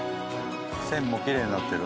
線もきれいになってる。